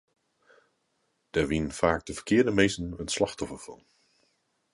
Dêr wienen faak de ferkearde minsken it slachtoffer fan.